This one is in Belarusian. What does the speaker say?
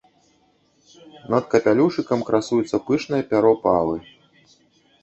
Над капялюшыкам красуецца пышнае пяро павы.